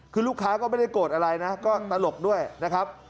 คือลูกค้าก็ไม่ได้โกรธอะไรนะก็ตลกด้วยนะครับ